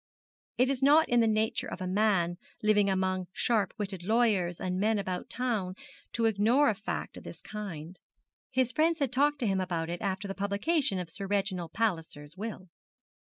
It is not in the nature of a man living among sharp witted lawyers and men about town to ignore a fact of this kind. His friends had talked to him about it after the publication of Sir Reginald Palliser's will.